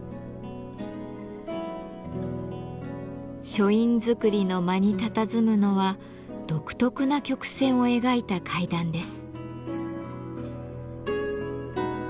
書院造りの間にたたずむのは独特な曲線を描いた階段です。